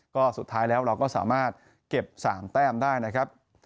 ก็สุดท้ายแล้วเราก็สามารถเก็บ๓แต้มได้นะครับ